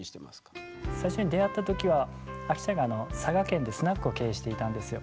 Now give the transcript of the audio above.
最初に出会った時はアキちゃんが佐賀県でスナックを経営していたんですよ。